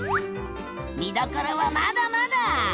見どころはまだまだ！